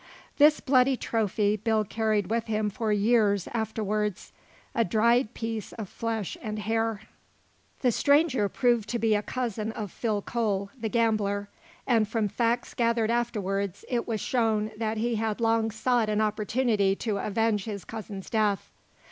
This bloody trophy Bill carried with him for years afterwards a dried piece of flesh and hair. The stranger proved to be a cousin of Phil Cole, the gambler, and from facts gathered afterwards, it was shown that he had long sought an opportunity to avenge his cousin's death.